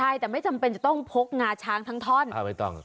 ใช่แต่ไม่จำเป็นจะต้องพกงาช้างทั้งท่อนอ่าไม่ต้อง